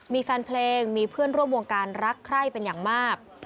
มีแฟนเพลงมีเพื่อนร่วมวงการรักใคร่เป็นอย่างมาก